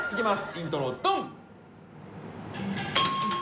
イントロドン！